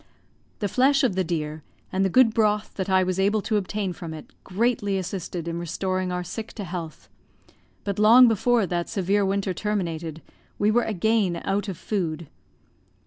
The flesh of the deer, and the good broth that I was able to obtain from it, greatly assisted in restoring our sick to health; but long before that severe winter terminated we were again out of food.